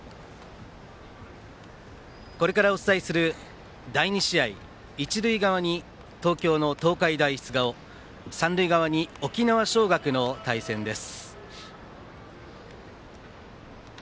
これからお伝えする第２試合一塁側に東京の東海大菅生三塁側に沖縄尚学の対戦です。